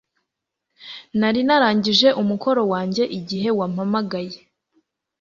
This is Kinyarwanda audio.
Nari narangije umukoro wanjye igihe wampamagaye